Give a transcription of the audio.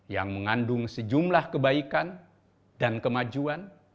yang mengandung sejumlah kebaikan dan kemajuan